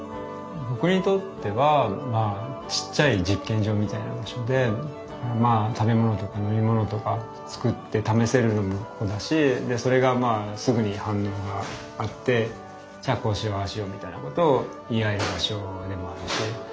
僕にとってはまあちっちゃい実験場みたいな場所でまあ食べ物とか飲み物とか作って試せるのもここだしでそれがまあすぐに反応があってじゃあこうしようああしようみたいなことを言い合える場所でもあるし。